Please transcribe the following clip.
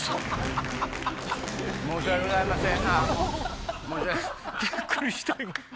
申し訳ございません。